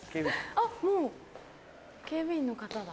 あっもう警備員の方だ。